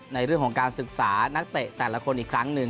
ในเรื่องของการศึกษานักเตะแต่ละคนอีกครั้งหนึ่ง